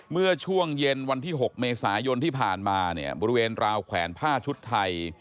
เมื่อช่วงเย็นวันที่๖เมษายนที่ผ่านมาเนี่ยบริเวณราวแขวนผ้าชุดไทย